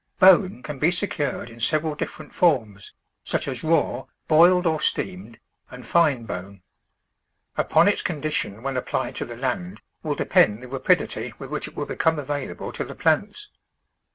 Bone can be se HOW TO MAINTAIN FERTILITY cured in several different forms, such as raw, boiled or steamed, and fine bone. Ui^on its con dition when applied to the land will depend the rapidity with which it will become available to the plants.